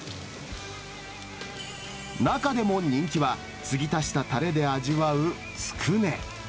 中でも人気は、つぎ足したたれで味わうつくね。